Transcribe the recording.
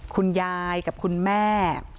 คุณยายกับคุณแม่